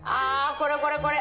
これこれこれ！